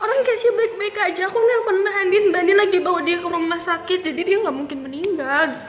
orang kayaknya baik baik aja aku nelfon mbak andi mbak nin lagi bawa dia ke rumah sakit jadi dia nggak mungkin meninggal